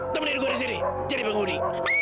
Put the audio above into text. temenin gue di sini jadi penghuni